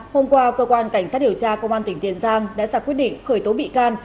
hôm qua cơ quan cảnh sát điều tra công an tỉnh tiền giang đã ra quyết định khởi tố bị can